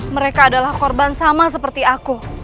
mereka adalah korban sama seperti aku